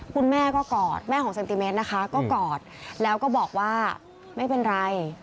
คุณแม่ก็กอดแม่ของเซนติเมตรนะคะก็กอดแล้วก็บอกว่าไม่เป็นไร